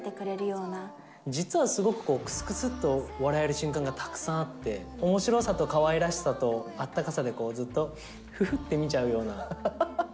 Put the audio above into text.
実はすごくくすくすっと笑える瞬間がたくさんあって、おもしろさとかわいらしさとあったかさで、ずっと、ふふって見ちゃうような。